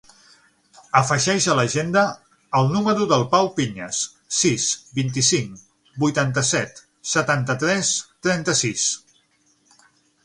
Afegeix a l'agenda el número del Pau Piñas: sis, vint-i-cinc, vuitanta-set, setanta-tres, trenta-sis.